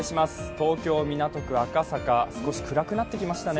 東京・港区赤坂、少し暗くなってきましたね。